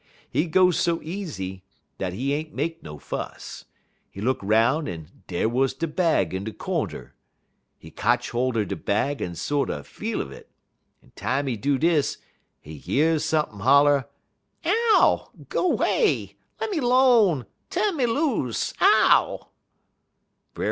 "He go so easy dat he ain't make no fuss; he look 'roun' en dar wuz de bag in de cornder. He kotch holt er de bag en sorter feel un it, en time he do dis, he year sump'n' holler: "'Ow! Go 'way! Lem me 'lone! Tu'n me loose! Ow!'